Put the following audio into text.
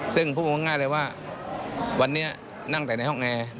ซึ่งพูดง่ายเลยว่าวันนี้นั่งแต่ในห้องแอร์